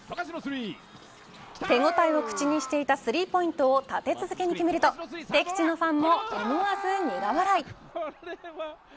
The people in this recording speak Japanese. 手応えを口にしていたスリーポイントを立て続けに決めると敵地のファンも思わず苦笑い。